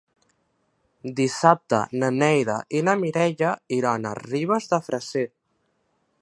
Dissabte na Neida i na Mireia iran a Ribes de Freser.